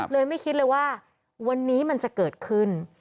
ไม่คิดเลยว่าวันนี้มันจะเกิดขึ้น